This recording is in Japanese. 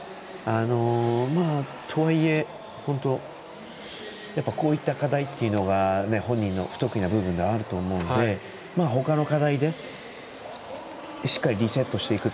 とはいえ、本当こういった課題っていうのが本人の不得意な部分があると思うので他の課題でしっかりリセットしていく。